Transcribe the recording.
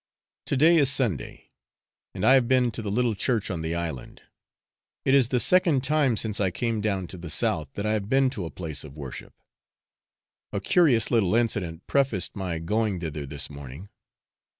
To day is Sunday, and I have been to the little church on the island. It is the second time since I came down to the south that I have been to a place of worship. A curious little incident prefaced my going thither this morning.